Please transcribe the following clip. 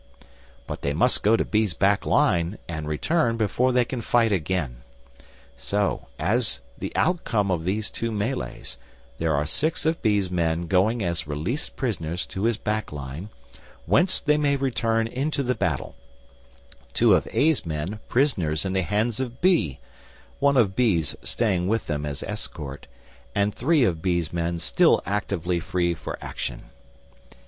But they must go to B's back line and return before they can fight again. So, as the outcome of these two melees, there are six of B's men going as released prisoners to his back line whence they may return into the battle, two of A's men prisoners in the hands of B, one of B's staying with them as escort, and three of B's men still actively free for action.